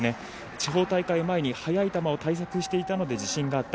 地方大会前に速い球を対策していたので自信があった。